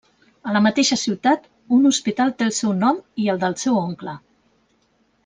A la mateixa ciutat, un hospital té el seu nom i el del seu oncle.